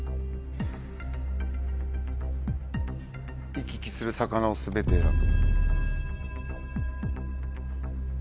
行き来する魚を全て選ぶ。